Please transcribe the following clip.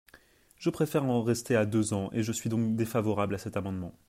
Je préfère en rester à deux ans et je suis donc défavorable à cet amendement.